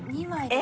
え！